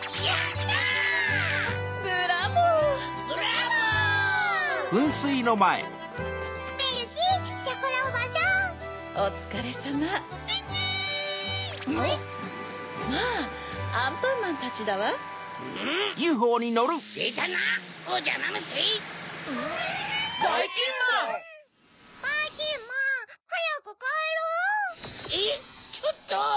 えっちょっと。